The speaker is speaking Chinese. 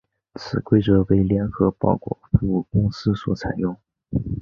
此规则为联合包裹服务公司所采用。